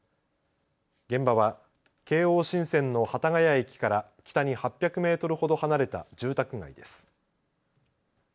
現場は京王新線の幡ヶ谷駅から北に８００メートルほど離れた住宅街です。